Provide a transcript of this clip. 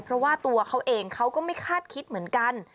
เพราะว่าตัวเขาเองเขาก็ไม่คาดคิดเหมือนกัน